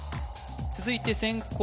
続いて先攻